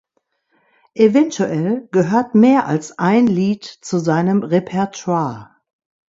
Eventuell gehört mehr als ein Lied zu seinem Repertoire.